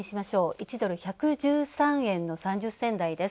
１ドル＝１１３円の３０銭台です